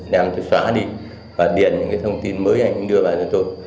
làm tôi xóa đi và điền những thông tin mới anh đưa vào cho tôi